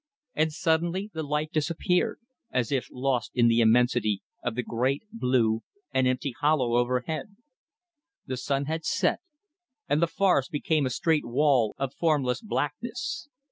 And suddenly the light disappeared as if lost in the immensity of the great, blue, and empty hollow overhead. The sun had set: and the forests became a straight wall of formless blackness.